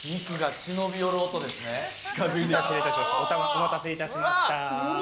お待たせいたしました。